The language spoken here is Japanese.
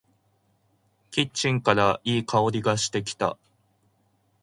キッチンからいい香りがしてきた。